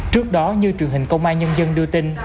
trước đó như truyền hình công an nhân dân đưa tin